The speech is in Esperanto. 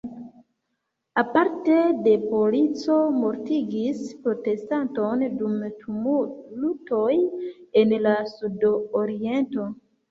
Aparte la polico mortigis protestanton dum tumultoj en la sudaoriento.